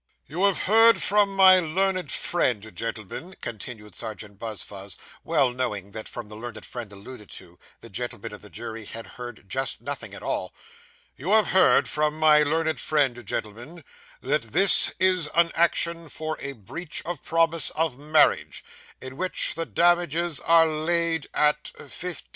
'You have heard from my learned friend, gentlemen,' continued Serjeant Buzfuz, well knowing that, from the learned friend alluded to, the gentlemen of the jury had heard just nothing at all 'you have heard from my learned friend, gentlemen, that this is an action for a breach of promise of marriage, in which the damages are laid at £1,500.